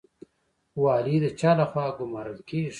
والي د چا لخوا ګمارل کیږي؟